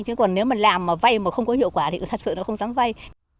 chứ còn nếu mà làm mà vay mà không có hiệu quả thì thật sự nó không dám vay